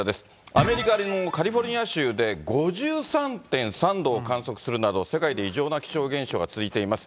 アメリカのカリフォルニア州で５３．３度を観測するなど、世界で異常な気象現象が続いています。